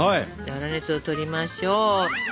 粗熱をとりましょう。